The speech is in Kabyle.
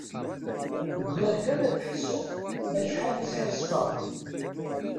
Bɣiɣ kan ad teḥsuḍ acḥal i sḥassfaɣ.